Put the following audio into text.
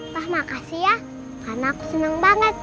wah makasih ya karena aku senang banget